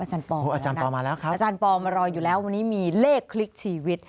อาจารย์ปอมาแล้วครับอาจารย์ปอลมารออยู่แล้ววันนี้มีเลขคลิกชีวิต